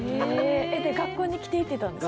学校に着ていってたんですか？